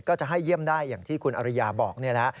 ก็จะให้เยี่ยมได้อย่างที่คุณอริยาบอกนี่แหละ